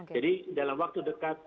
jadi dalam waktu dekat